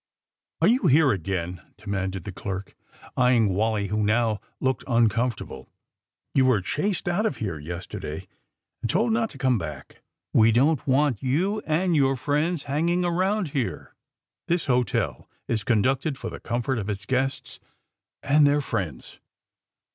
^^Are you here again!" demanded the clerk, eyeing Wally, who now looked uncomfortable. *^You were chased out of here yesterday and told not to come back. We don 't want you and your friends hanging around here. This hotel is conducted for the comfort of its guests and their friends."